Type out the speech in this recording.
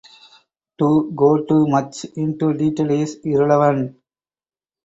To go too much into detail is irrelevant.